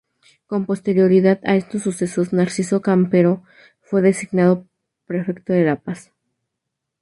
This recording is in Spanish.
Con posterioridad a estos sucesos, Narciso Campero fue designado prefecto de La Paz.